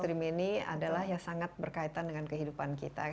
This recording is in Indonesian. karena informasi ini adalah ya sangat berkaitan dengan kehidupan kita